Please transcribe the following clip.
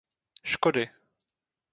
Škody.